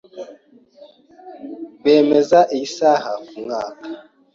Bemeza iyi saha kumwaka.